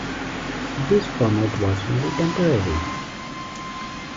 This format was only temporary.